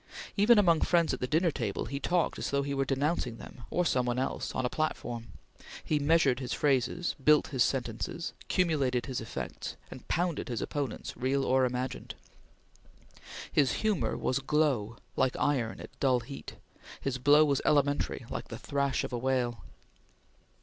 Even among friends at the dinner table he talked as though he were denouncing them, or someone else, on a platform; he measured his phrases, built his sentences, cumulated his effects, and pounded his opponents, real or imagined. His humor was glow, like iron at dull heat; his blow was elementary, like the thrash of a whale.